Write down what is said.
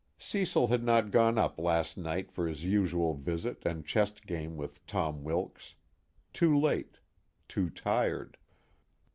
Cecil had not gone up last night for his usual visit and chess game with Tom Wilks. Too late; too tired.